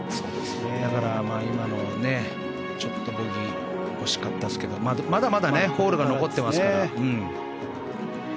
だから、今のボギー惜しかったですけどまだまだホールが残ってますから。